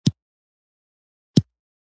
دویم په معدې او دریم په کولمو کې هضمېږي.